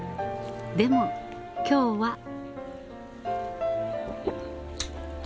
でも今日は。